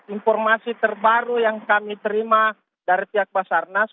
informasi terbaru yang kami terima dari pihak basarnas